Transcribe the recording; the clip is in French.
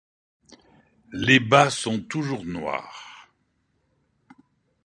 Les bas sont toujours noirs.